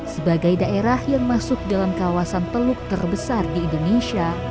sebagai daerah yang masuk dalam kawasan teluk terbesar di indonesia